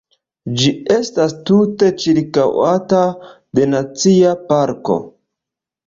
Ĝi estas tute ĉirkaŭata de nacia parko.